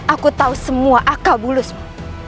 aku tahu semua akabulusmu